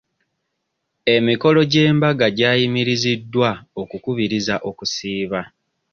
Emikolo gy'embaga gyayimiriziddwa okukubiriza okusiiba.